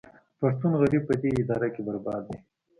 پښتون غریب په دې اداره کې برباد دی